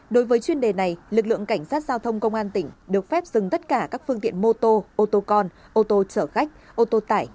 đối với chuyên đề này lực lượng cảnh sát giao thông công an tỉnh được phép dừng tất cả các phương tiện mô tô ô tô con ô tô chở khách ô tô tải